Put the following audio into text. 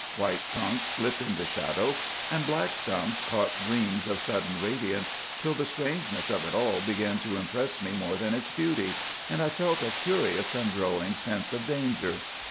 White trunks slipped into shadow, and black stumps caught gleams of sudden radiance, till the strangeness of it all began to impress me more than its beauty, and I felt a curious and growing sense of danger.